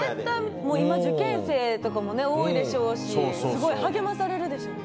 今、受験生とかも多いでしょうしすごい励まされるでしょうね。